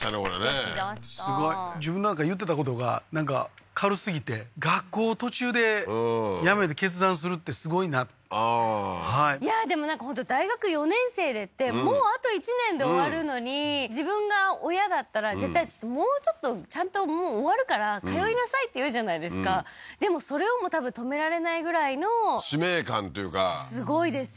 すてきだったすごい自分の言ってたことがなんか軽すぎて学校を途中で辞めて決断するってすごいないやでもなんか本当大学４年生でってもうあと１年で終わるのに自分が親だったら絶対もうちょっとちゃんともう終わるから通いなさいって言うじゃないですかでもそれをも多分止められないぐらいの使命感というかすごいですよね